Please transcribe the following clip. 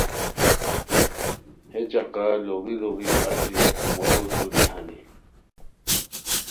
ہے چقہ لوڑی لوڑی اچی ہے کومورو دوری ہانی